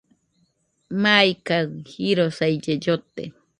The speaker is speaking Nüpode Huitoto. Maikaɨ jirosaille llote